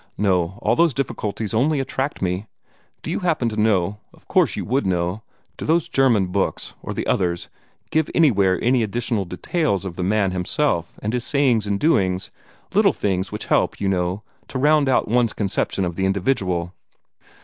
No, all those difficulties only attract me. Do you happen to know of course you would know do those German books, or the others, give anywhere any additional details of the man himself and his sayings and doings little things which help, you know, to round out one's conception of the individual?"